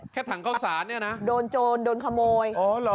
แค่ถังเขาศานเนี่ยนะโดนโจรโดนขโมย